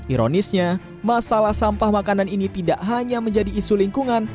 ironisnya masalah sampah makanan ini tidak hanya menjadi isu lingkungan